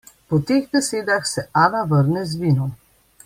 Po teh besedah se Ana vrne z vinom.